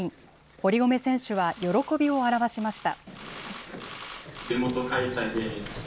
堀米選手は喜びを表しました。